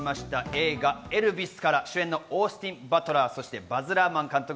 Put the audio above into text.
映画『エルヴィス』から主演のオースティン・バトラー、そしてバズ・ラーマン監督